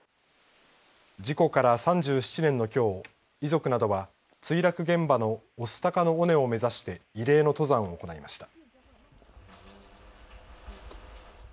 事故から３７年のきょう遺族などは墜落現場の御巣鷹の尾根を目指して慰霊の登山を行いました。